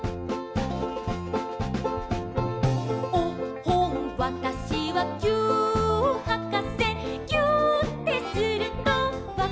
「おっほんわたしはぎゅーっはかせ」「ぎゅーってするとわかるのよ」